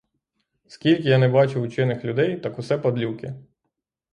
Скільки я не бачив учених людей, так усе падлюки.